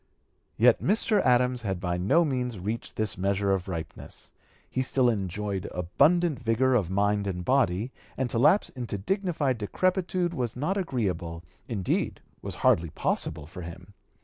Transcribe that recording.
Yet Mr. Adams had by no means reached this measure of ripeness; he still enjoyed abundant vigor of mind and body, and to lapse into dignified decrepitude was not agreeable, indeed was hardly possible for him.